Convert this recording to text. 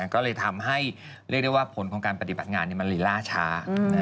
ก็ทำให้ผลของการปฏิบัติงานมันลีล่าช้า